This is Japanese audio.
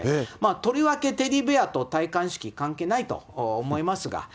とりわけテディベアと戴冠式、関係ないと思いますが。